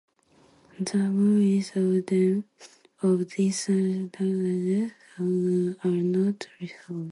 The motives of this assault against Sosthenes are not recorded.